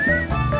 gak ada apa apa